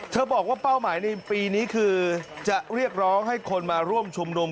บอกว่าเป้าหมายในปีนี้คือจะเรียกร้องให้คนมาร่วมชุมนุม